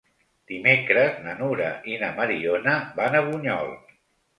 Dimecres na Nura i na Mariona van a Bunyol.